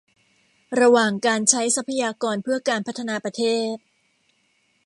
ระหว่างการใช้ทรัพยากรเพื่อการพัฒนาประเทศ